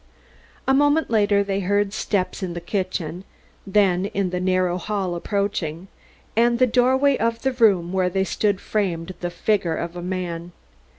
A moment later they heard steps in the kitchen, then in the narrow hall approaching, and the doorway of the room where they stood framed the figure of a man.